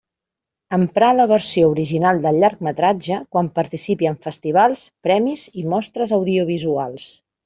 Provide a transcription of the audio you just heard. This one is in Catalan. Emprar la versió original del llargmetratge quan participi en festivals, premis i mostres audiovisuals.